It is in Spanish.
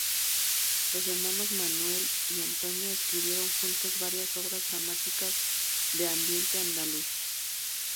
Los hermanos Manuel y Antonio escribieron juntos varias obras dramáticas de ambiente andaluz.